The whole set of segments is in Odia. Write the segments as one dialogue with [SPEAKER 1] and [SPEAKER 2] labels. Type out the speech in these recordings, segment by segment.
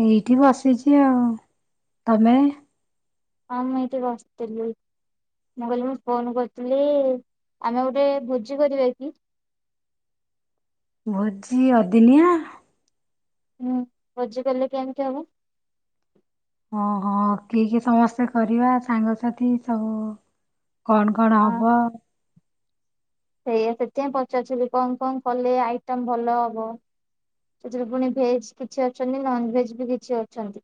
[SPEAKER 1] ଏଇଠି ବସିଛି, ଆଉ ତମେ
[SPEAKER 2] ହଁ ମୁଁ ଏଇଠି ବସିଥିଲି। ମୁଁ କହିଲି, ମୁଁ ଫୋନ କରିଥିଲି, ଆମେ ଗୋଟେ ଭୋଜି କରିବାକି?
[SPEAKER 1] [inaudible] ଭୋଜି ଅଦିନିଆ
[SPEAKER 2] ହୁଁ, ଭୋଜି କଲେ କେମତି ହବ?
[SPEAKER 1] ଓ ହୋ କି କି ସମସ୍ତେ କରିବା ସାଙ୍ଗସାଥି ସବୁ କଣ କଣ
[SPEAKER 2] ଅ
[SPEAKER 1] ହବ?
[SPEAKER 2] ସେଇଆ, ସେଥିପାଇଁ ପଚାରୁଥିଲି କଣ କଣ କଲେ ଆଇଟମ ଭଲ ହବ? ସେଥିରେ ପୁଣି ଭେଜ କିଛି ଅଛନ୍ତି, ନନ ଭେଜ ବି କିଛି ଅଛନ୍ତି।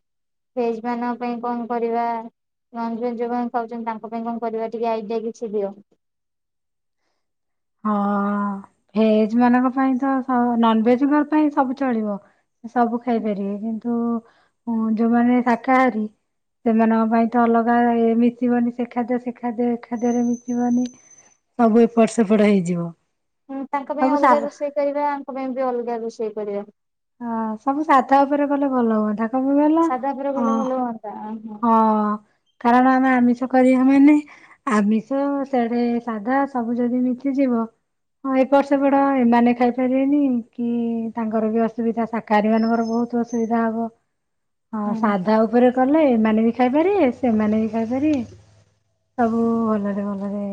[SPEAKER 2] ଭେଜ ମାନଙ୍କ ପାଇଁ କଣ କରିବା। ଯୋଉ କ ଖାଉଛନ୍ତି ତାଙ୍କ ପାଇଁ କଣ କରିବା, ଟିକେ ଆଇଡିଆ କିଛି ଦିଅ?
[SPEAKER 1] ହଁ ଭେଜ ମାନ ସବୁ ଖାଇପାରିବେ କିନ୍ତୁ ସେମାନଙ୍କ ପାଇଁ ତ ଅଲଗା ମି ସବୁ ଏପଟ୍ ସେପଡ ହେଇଯିବ।
[SPEAKER 2] ହଁ ତାଙ୍କ ପାଇଁ
[SPEAKER 1] ସବୁ ସା
[SPEAKER 2] ଅଲଗା ରୋଷେଇ କରିବା ଆଙ୍କ ପାଇଁ ବି ଅଲଗା ରୋଷେଇ କରିବା।
[SPEAKER 1] ପାଖରେ କଲେ ଭଲ ହୁଅନ୍ତା କ ପାଇଁ କହିଲ
[SPEAKER 2] ସାଧା ଉପରେ
[SPEAKER 1] ଅ
[SPEAKER 2] ଗଲେ ଭଲ ହୁଅନ୍ତା ଓହୋ
[SPEAKER 1] ହଁ। କାରଣ ଆମେ ଆମିଷ କରିବା ମାନେ ଆମିଷ ସେଡେ ସାଧା ସବୁ ଯଦିମୀ ସିଯିବ। ହଁ ଏପଟ ସେପଟ ଏମାନେ ଖାଇପାରିବେନି କି ତାଙ୍କର ବି ଅସୁବିଧା ଶାକାହହାରୀ ମାନଙ୍କର ବହୁତ ତୁ ଅସୁବିଧା ହବ, ହଁ
[SPEAKER 2] ହୁଁ
[SPEAKER 1] ସାଧା ଉପରେ କଲେ ଏମାନେ ବି ଖାଇପାରିବେ ସେମାନେ ବି ଖାଇପାରିବେ। ସବୁ ଭଲରେ ଭଲରେ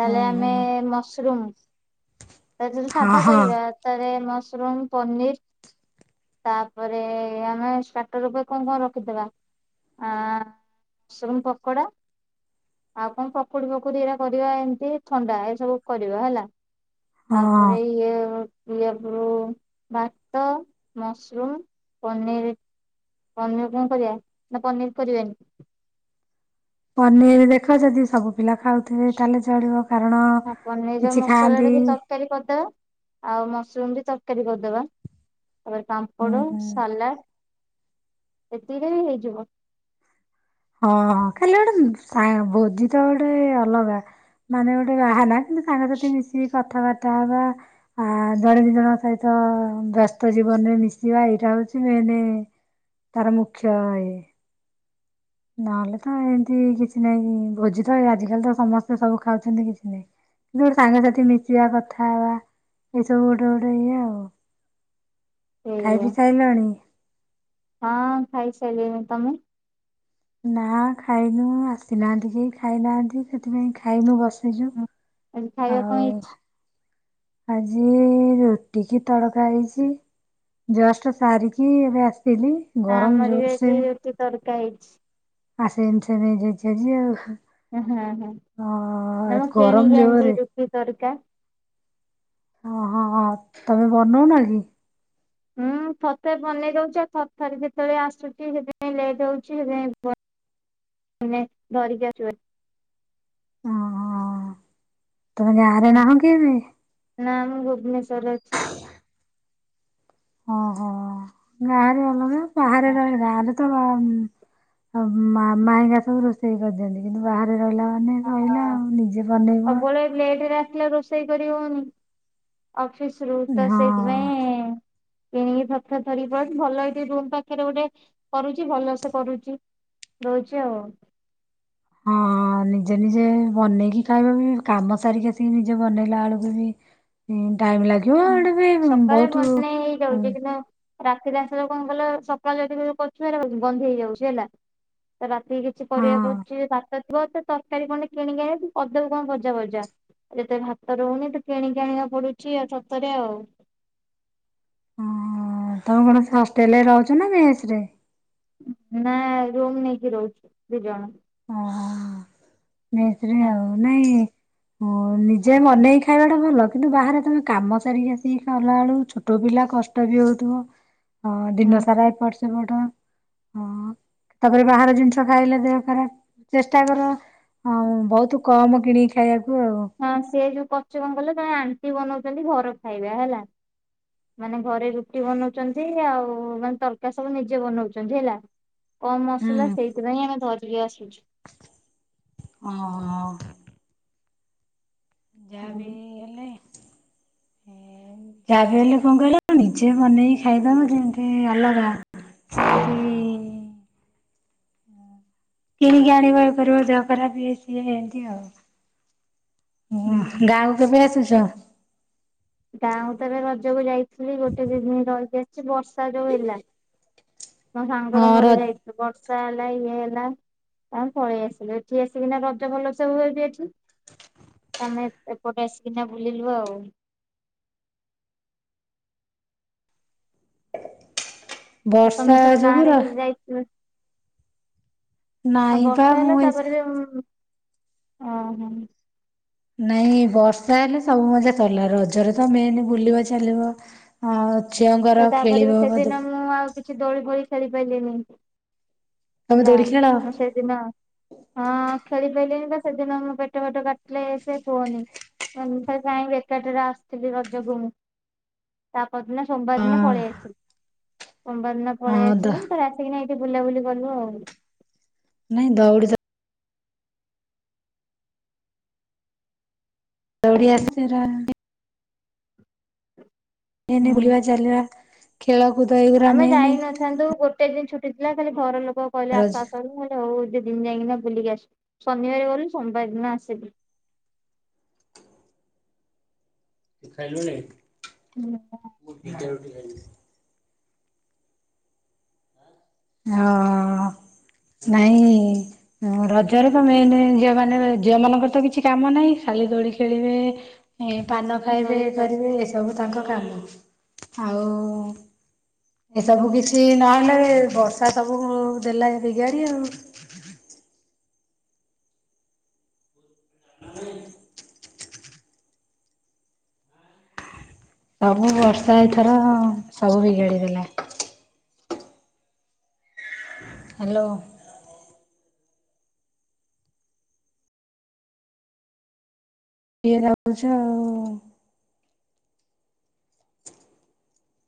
[SPEAKER 2] ତାହେଲେ
[SPEAKER 1] ହୁଁ
[SPEAKER 2] ଆମେ
[SPEAKER 1] ହୁଁ
[SPEAKER 2] ମସରୁମ। ତା ଯଦି
[SPEAKER 1] ହଁ
[SPEAKER 2] ସାଧା
[SPEAKER 1] ହଁ
[SPEAKER 2] କରିବା ତାହଲେ ମସରୁମ, ପନିର। ତାପରେ ଆମେ ଷ୍ଟାର୍ଟର ଉପରେ କଣ କଣ ରଖିଦବା? ଆ ଶୁନ ପକୋଡ଼ା। ଆଉ କଣ ପକୁଡି ଫକୁଡି ଏଇଟା କରିବା ଏମତି ଥଣ୍ଡା ଏସବୁ କରିବା ହେଲା।
[SPEAKER 1] ହଁ
[SPEAKER 2] ତାପରେ ଇଏ ପପରୁ ଭାତ, ମସରୁମ, ପନିର। ପନିର କଣ କରିବା ନା ପନିର କରିବାନି?
[SPEAKER 1] ପନିର ଦେଖଛନ୍ତି ସବୁ ପିଲା ଖାଉଥିବେ ତାହେଲେ ଚଳିବ କାରଣ
[SPEAKER 2] ହଁ ପନିର
[SPEAKER 1] କିଛି
[SPEAKER 2] ମସଲା
[SPEAKER 1] ଖାଆନ୍ତି।
[SPEAKER 2] ଟିକେ ତରକାରୀ କରିଦବା। ଆଉ ମସରୁମ ବି ତରକାରୀ କରିଦବା ତାପରେ
[SPEAKER 1] ହୁଁ
[SPEAKER 2] ପାମ୍ପଡ,
[SPEAKER 1] ହୁଁ
[SPEAKER 2] ସାଲାଡ। ସେତିରେ ବି ହେଇଯିବ।
[SPEAKER 1] ହଁ ହଁ ଖାଲି ଗୋଟେ ଭୋଜି ତ ଗୋଟେ ଅଲଗା ମାନେ ଗୋଟେ ବାହାନା କିନ୍ତୁ ସାଙ୍ଗସାଥି ମିଶିକି କଥାବାର୍ତ୍ତା ହବା ଆ ଜଣେ ଦି ଜଣଙ୍କ ସହିତ ବ୍ୟସ୍ତ ଜୀବନରେ ମିଶିବା ଏଇଟା ହଉଛି ମ ମନେ ତାର ମୁଖ୍ୟ ଇଏ। ନହେଲେ ତ ଏମିତି କିଛି ନାଇଁ ଭୋଜି ତ ଆଜିକାଲି ତ ସମସ୍ତେ ସବୁ ଖାଉଛନ୍ତି କିଛି ନାଇଁ। କିନ୍ତୁ ଗୋଟେ ସାଙ୍ଗସାଥି ମିଶିବା କଥା ହେବା ଏଇସବୁ ଗୋଟେ ଗୋଟେ ଇଏ ଆଉ।
[SPEAKER 2] ସେଇଆ
[SPEAKER 1] ଖାଇବି ସାଇଲାଣି?
[SPEAKER 2] ହଁ ଖାଇସାରିଲିଣି ତମେ?
[SPEAKER 1] ନା ଖାଇନୁ ଆସିନାହାନ୍ତି କେହି ଖାଇନାହାନ୍ତି ସେଥିପାଇଁ ଖାଇନୁ ବସିଛୁ।
[SPEAKER 2] ଆ ଖାଇବା କ
[SPEAKER 1] ଆଉ
[SPEAKER 2] ହେଇଚି?
[SPEAKER 1] ଆଜି ରୁଟି କି ତଡକା ହେଇଛି। ଜଷ୍ଟ ସାରିକି ଏବେ ଆସିଥିଲି ଗରମ ଜୋର ସେ
[SPEAKER 2] ଗାଇଡ଼୍ସ୍।
[SPEAKER 1] ଆ ସେ ଏମିତି ସେମ ସେମ ହେଇଯାଇଛି ଆଉ।
[SPEAKER 2] ହୁଁ ହୁ
[SPEAKER 1] ଅ
[SPEAKER 2] ନା ମୁ
[SPEAKER 1] ଗରମ
[SPEAKER 2] କିଣିକି
[SPEAKER 1] ଜୋରରେ
[SPEAKER 2] ଆଣିଛି ରୁଟି ତଡକା।
[SPEAKER 1] ହ ହଁ ତମେ ବନଉନା କି?
[SPEAKER 2] ମୁ ଥରେ ଥାରେ ବନେଇ ଦଉଛି ଆଉ ଥରେ ଯେତେବେଳେ ଆସୁଛି ସେଥିଁ ଲେଟ ଯାଉଚି ସେଥିପାଇଁ ମେ ଧରିିକଛୁ।
[SPEAKER 1] ଓ ହୋ ତମେ ଗାଁ ରେ ନାହଁ କି ଏବେ?
[SPEAKER 2] ଭୁବନେଶ୍ଵର ଅଛି।
[SPEAKER 1] ଓହୋ ଗାଁରେ ଅଲଗା ବାହାରେ ରହିଲା ଆ ତ ମାଇଁଙ୍ଗା ସବୁ ରୋଷେଇ କରିଦିଅନ୍ତି କିନ୍ତୁ ବାହାରେ ରହିଲା ମନେଇ କହିଲା ଆଉ ନିଜେ ବନେଇବ।
[SPEAKER 2] ସବୁବେଳେ ଲେଟ୍ ରେ ରୋଷେଇ କରି ହଉନି ଅଫିସ ରୁ ତ ସେଥୀ ପାଇଁ
[SPEAKER 1] ହଁ।
[SPEAKER 2] ଭାଇ କିଣିକି ଥରକାଥରିକି ପ ଭଲ ଏଠି ରୁ ପାଖରେ ଗୋଟେ କରୁଛି ଭଲ ସେ କରୁଛି। ରହୁଛି ଆଉ।
[SPEAKER 1] ହଁ, ନିଜେ ନିଜେ ବନେଇକି ଖାଇବା ବି, କାମ ସାରିକି ଆସିକି ନିଜେ ବନେଇଲା ଆଳକୁ ବି ଟାଇମ୍ ଲାଗିବ
[SPEAKER 2] ହୁଁ
[SPEAKER 1] ଆଡେ ବି
[SPEAKER 2] ସକାଳେ
[SPEAKER 1] ବହୁତୁ
[SPEAKER 2] ବନେଇ
[SPEAKER 1] ଉଁ
[SPEAKER 2] ହେଇଯାଉଛି କିନ୍ତୁ ରାତିରେ ଆସିଲେ କଣ କଲେ ସକାଳ ଯାଇଥିବି, କରୁଥିବି ହେରା ଗନ୍ଧେଇ ହେଇଯାଉଛି ହେଲା ତ ରା କିଛି
[SPEAKER 1] ହଁ
[SPEAKER 2] କରିବାକୁଚି ଭାତ ଥିବ ତ ତରକାରୀ କଣ କିଣିକି ଆଣିକି କରଦବୁ କଣ ଭଜା ବଜା। ଏତେ ଭାତ ରହୁନି, ଟୁ କିଣିକି ଆଣିବା ପଡୁଛି। ଆଉ ଛତ୍ ତରେ ଆଉ
[SPEAKER 1] ହଁ, ତମେ କଣ ସେ ହଷ୍ଟେଲ ରେ ରହୁଛ ନା ମେସ୍ ରେ?
[SPEAKER 2] ନା ରୁମ୍ ନେଇକି ରହୁଛୁ ଦି ଜଣ।
[SPEAKER 1] ମେସ୍ ରେ
[SPEAKER 2] ହଁ
[SPEAKER 1] ଆଉ ନାଇଁ ଓ ନିଜେ ମନେଇକି ଖାଇବା ଟା ଭଲ। କିନ୍ତୁ ବାହାରେ ତମେ କାମ ସାରିକି ଆସିକି କଲାଳୁ ଛୋଟ ପି ପିଲା କଷ୍ଟ ବି ହଉଥିବ। ଅ-ଦିନ ସାରା
[SPEAKER 2] ହଁ।
[SPEAKER 1] ଏପଟ ସେପଟ। ହଁ, ତାପରେ ବାହାର ଜିନିଷ ଖାଇଲେ ଦେହ ଖରାପ। ଚେଷ୍ଟା କର ହଁ, ବହୁତ କମ୍ କିଣିକି ଖାଇବାକ୍
[SPEAKER 2] ହଁ, ସେ ଯୋଉ ପଚୁ ଅଂକଲ ତାଙ୍କ ଆଣ୍ଟି ବନଉଛନ୍ତି। ଘର ଖାଇବା ହେଲା। ମାନେ ଘରେ ରୁଟି ବନଉଚନ୍ତି, ଆଉ ମାନେ ତରକାରୀ ସବୁ ନିଜେ ବନଉଚନ୍ତି ହେଲା। କମ୍ ମସଲା ସେଇଥିପାଇଁ ଆମେ ଧରିକି ଆସୁ।
[SPEAKER 1] ଅଁ ହ। ଯାହା ବିି
[SPEAKER 2] ହୁଁ।
[SPEAKER 1] ହେଲେ ଏ ଯା ବି ହେଲେ କଣ କହିଲ? ନିଜେ ମନେଇକି ଖାଇଦବ ଯେମତି ଅଲଗା! ସେ [inaudible] କିଣିକି ଆଣିବା କରିବା ଦେହ ଖରାପ ଇଏ ସିଏ ଏମତି ଆଉ। ଉଁ ହୁଁ ଗାଁକୁ କେବେ ଆସୁଛ?
[SPEAKER 2] ଗାଁ କୁ ତ ଏବେ ରଜକୁ ଯାଇଥିଲି ଗୋଟେ ଦି ଦିନ ରହି ଆସିଛି, ବର୍ଷା ଯୋଉ ହେଲା। ମୋ ସାଙ୍ଗର
[SPEAKER 1] ହଁ
[SPEAKER 2] ମୋର
[SPEAKER 1] ର
[SPEAKER 2] ଯାଇଥୁ ବର୍ଷା ହେଲା ଇଏ ହେଲା। ତ ପଳେଇ ଆସିଲୁ। ଏଠି ଆସିକି ନା ରଜ ଭଲ ସେ ହୁଏ ବି ଏଠି। ତମେ ଏପଟେ ଆସିକିନା ବୁଲିଲୁ ଆଉ।
[SPEAKER 1] ଆ
[SPEAKER 2] ଆ
[SPEAKER 1] ବର୍ଷା
[SPEAKER 2] ତମେ ଏଥର
[SPEAKER 1] ଯୋଗୁ
[SPEAKER 2] ଗାଁଆଡ଼େ
[SPEAKER 1] ର
[SPEAKER 2] ରେ ବି ଯାଇଥିଲ? ଆଉ
[SPEAKER 1] ନାଇଁ ବା
[SPEAKER 2] ବର୍ଷା
[SPEAKER 1] ମୁଁ
[SPEAKER 2] ହେଲା
[SPEAKER 1] ଏ
[SPEAKER 2] ତାପରେ ବି ଉମ୍ ଓ ହୋ!
[SPEAKER 1] ନାଇଁ ବର୍ଷା ହେଲେ ସବୁ ମଜା ସରଲା ରଜରେ ତ ମେନ ବୁଲିବ ଚାଲିବ ଆଁ ପ୍
[SPEAKER 2] ତ ତାପରେ ବି ସେଦିନ ମୁଁ ଆଉ କିଛି ଦୋଳି ଫୋଳି ଖେଳି ପାଇଲିନି।
[SPEAKER 1] ତମେ
[SPEAKER 2] ଆଲା,
[SPEAKER 1] ଦୋଳି ଖେଳ?
[SPEAKER 2] ମୁଁ ସେଇ ଦିନ ହଁ। ଖେଳି ପାଇଲିନି ତ ସେଦିନ ମୁ ପେଟ ଫେଟ କାଟିଲେ ସେ କୁହନି। ସେ କାଇଁକି ବେକାର ଟାରେ ଆସୁଥିଲି ରଜକୁ ମୁଁ! ତାପର ଦିନ ସୋମବାର ଦିନ
[SPEAKER 1] ହଁ
[SPEAKER 2] ପଳେଇ ଆସିଲୁ। ସୋମବାର ଦିନ ପଳେଇ
[SPEAKER 1] ହଁ ଦ
[SPEAKER 2] ଆସିଲୁ, ତାରେ ଆସିକିନା-ଏଇଠି ବୁଲାବୁଲି କଲୁ ଆଉ।
[SPEAKER 1] ନାଇଁ ଦଉଡ଼ି ତ ଦଉଡି ଆସିନି ରା-ଆ-ଣୀ। ଏଇନେ ବୁଲି
[SPEAKER 2] ହୁଁ
[SPEAKER 1] ବା ଚାଲିବା ଖେଳ
[SPEAKER 2] ଆମେ ଯାଇନଥାନ୍ତୁ, ଗୋଟେ ଦିନ ଛୁଟି ଥିଲା ଖାଲି ଘର ଲୋକ କହିଲେ
[SPEAKER 1] ରଜ
[SPEAKER 2] ଆସ ଆସ, ବୋଲି ମୁଁ କହିଲି ହଉ ଦଦି ଦିନ ଯାଇଁକିନା ବୁଲିକି ଆସିବ। ଶନିବାର ଗଲୁ ସୋମବାର ଦିନ ଆସିବି।
[SPEAKER 1] ଖାଇଲୁଣି
[SPEAKER 2] ହୁଁ
[SPEAKER 1] ମୁଁ ଦିଟା ରୁଟି ଖାଇଲି। ହଁ ନାଇଁ ହଁ ରଜରେ ତ ମେନ ଝିଅ ମାନେ ଝିଅ ମାନଙ୍କର ତ କିଛି କାମ ନାହିଁ। ଶାଳି ଦୋଳି ଖେଳିବେ। ଏ ପାନ ଖାଇବେ
[SPEAKER 2] ଜୋରେ
[SPEAKER 1] କରିବେ, ଏ ସବୁ ତାଙ୍କ କାମ ଆଉ ଏସବୁ କିଛି ନହେଲେ ବଷ ସା ସବୁ ଦେଲା ବିଗାଡି ଆଉ। ମାମା ନାଇଁ? ପ୍ରଭୁ ବର୍ଷା ଏଇଥର ସବୁ ବିଗାଳି ଦେଲା। ହେଲୋ। କିଏ ଭାବୁଛ ଆଉ